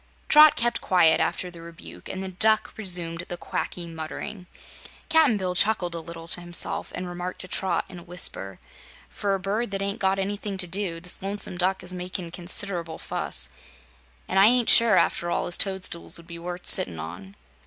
Trot kept quiet, after the rebuke, and the Duck resumed the quacky muttering. Cap'n Bill chuckled a little to himself and remarked to Trot in a whisper: "For a bird that ain't got anything to do, this Lonesome Duck is makin' consider'ble fuss. An' I ain't sure, after all, as toadstools would be worth sittin' on."